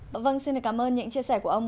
vâng xin cảm ơn những chia sẻ của ông